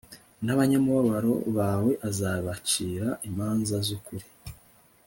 n'abanyamubabaro bawe azabacira imanza z'ukuri